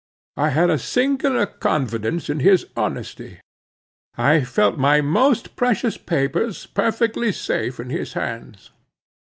I had a singular confidence in his honesty. I felt my most precious papers perfectly safe in his hands.